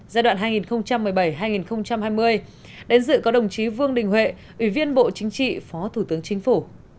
giai đoạn hai nghìn một mươi bảy hai nghìn hai mươi đến dự có đồng chí vương đình huệ ủy viên bộ chính trị phó thủ tướng chính phủ